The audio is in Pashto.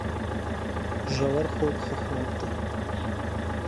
ژورخوب ښه خوب دی